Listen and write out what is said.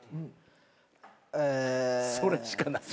・それしかない。